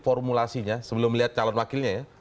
formulasinya sebelum melihat calon wakilnya ya